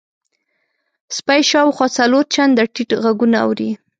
سپی شاوخوا څلور چنده ټیټ غږونه اوري.